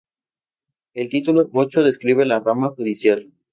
El Título Ocho describe la rama judicial.